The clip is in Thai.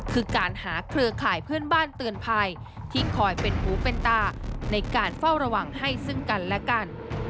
คือการหาเครือข่ายเพื่อนบ้านเตือนภัยที่คอยเป็นหูเป็นตาในการเฝ้าระวังให้ซึ่งกันและกัน